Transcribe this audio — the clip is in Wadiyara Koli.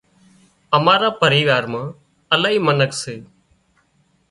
امارا پريوار مان الاهي منک سي